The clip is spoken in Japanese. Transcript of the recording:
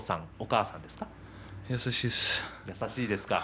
優しいです。